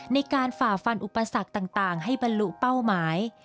ฝ่าฟันอุปสรรคต่างให้บรรลุเป้าหมาย